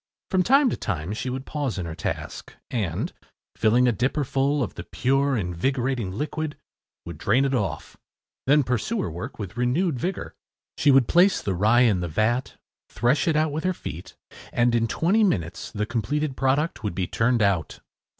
From time to time she would pause in her task, and, filling a dipper full of the pure, invigorating liquid, would drain it off then pursue her work with renewed vigor. She would place the rye in the vat, thresh it out with her feet and, in twenty minutes, the completed product would be turned out.